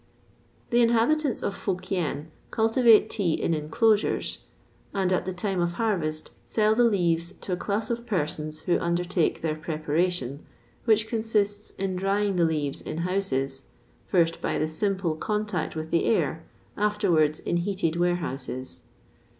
The inhabitants of Fo Kien cultivate tea in inclosures; and at the time of harvest sell the leaves to a class of persons who undertake their preparation, which consists in drying the leaves in houses, first by the simple contact with the air, afterwards in heated warehouses.